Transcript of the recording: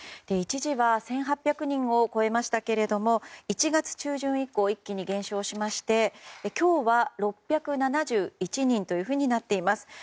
一時は１８００人を超えましたが１月中旬以降一気に減少しまして今日は６７１人というふうになっています。